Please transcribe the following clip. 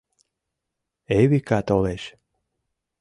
Эвика толеш.